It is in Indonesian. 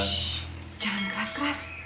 shhh jangan keras keras